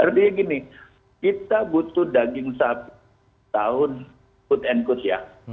artinya gini kita butuh daging sapi tahun quote and quote ya